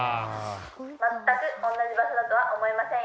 全く同じ場所だとは思えませんよね。